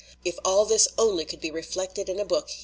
"If all this only could be reflected in a book!"